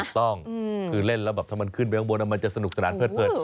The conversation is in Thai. ถูกต้องคือเล่นแล้วแบบถ้ามันขึ้นไปข้างบนมันจะสนุกสนานเลิด